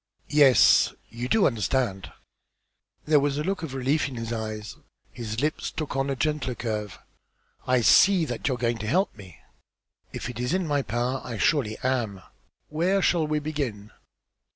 "Yes. You do understand!" There was a look of relief in his eyes. His lips took on a gentler curve. "I see that you are going to help me." "If it is in my power, I surely am. Where shall we begin?"